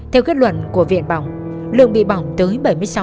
theo kết luận của viện bỏng lượng bị bỏng tới bảy mươi sáu